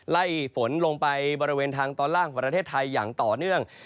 ไล่ฝนลงไปบริเวณทางตอนล่างของประเทศไทยอย่างต่อเนื่อง